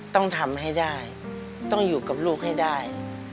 ต้องทำให้ได้ต้องอยู่กับลูกให้ได้